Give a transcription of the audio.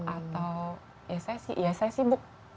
atau ya saya sibuk